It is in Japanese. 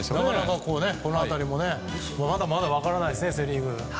この辺りもまだまだ分からないですね、セ・リーグ。